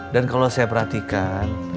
dan kalau saya perhatikan